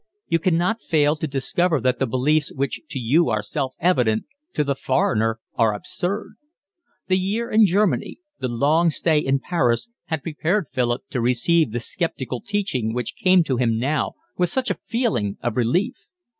You cannot fail to discover that the beliefs which to you are self evident to the foreigner are absurd. The year in Germany, the long stay in Paris, had prepared Philip to receive the sceptical teaching which came to him now with such a feeling of relief.